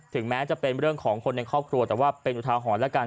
แม้จะเป็นเรื่องของคนในครอบครัวแต่ว่าเป็นอุทาหรณ์แล้วกัน